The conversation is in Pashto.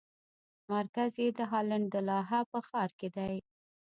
مرکز یې د هالنډ د لاهه په ښار کې دی.